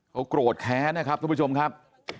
ก็โกรธแคะนะครับ